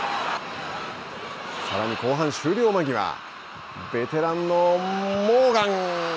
さらに後半終了間際ベテランのモーガン。